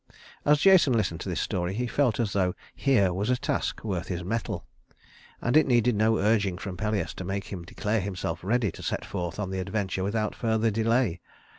As Jason listened to this story he felt as though here was a task worth his mettle; and it needed no urging from Pelias to make him declare himself ready to set forth on the adventure without further delay.